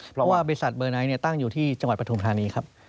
เพราะว่าบริษัทเบอร์ไนท์ตั้งอยู่ที่จังหวัดปฐุมธานีครับ